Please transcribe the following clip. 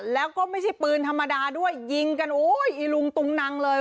แล้วก็ไม่ใช่ปืนธรรมดาด้วยยิงกันโอ้ยอีลุงตุงนังเลย